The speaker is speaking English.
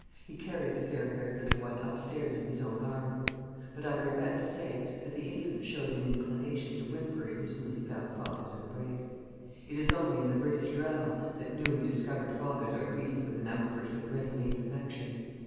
He carried the fair haired little one up stairs in his own arms; but I regret to say that the infant showed an inclination to whimper in his newly found father's embrace. It is only in the British Drama that newly discovered fathers are greeted with an outburst of ready made affection.